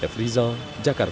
f rizal jakarta